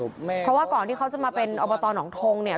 เพราะว่าก่อนที่เขาจะมาเป็นอบตหนองทงเนี่ย